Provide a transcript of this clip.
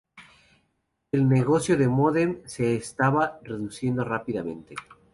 El negocio de módem se estaba reduciendo rápidamente.